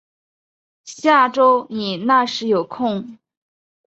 下周你那时有空